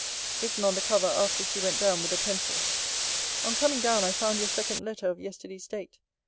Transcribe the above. Written on the cover, after she went down, with a pencil: On coming down, I found your second letter of yesterday's date.